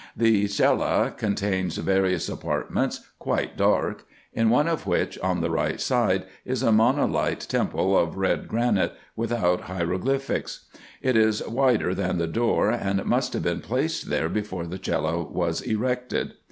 The cella contains various apartments, quite dark ; in one of which, on the right side, is a monolite temple of red granite, without hiero glyphics. It is wider than the door, and must have been placed there before the cella was erected.